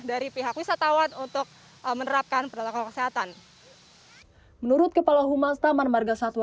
dari pihak wisatawan untuk menerapkan perlakuan kesehatan menurut kepala humas taman margasatwa